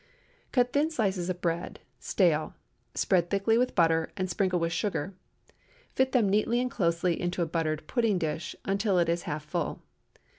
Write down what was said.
Cut thin slices of bread (stale), spread thickly with butter, and sprinkle with sugar. Fit them neatly and closely into a buttered pudding dish until it is half full.